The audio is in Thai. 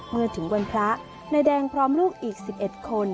เมื่อถึงวันพระนายแดงพร้อมลูกอีก๑๑คน